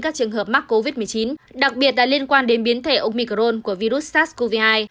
các trường hợp mắc covid một mươi chín đặc biệt là liên quan đến biến thể omicron của virus sars cov hai